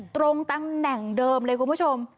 ตรงตำแหน่งเดิมเลยคุณผู้ชม